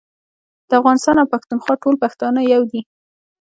د افغانستان او پښتونخوا ټول پښتانه يو دي